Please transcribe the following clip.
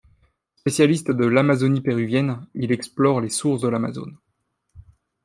Spécialiste de l'Amazonie péruvienne, il explore les sources de l'Amazone.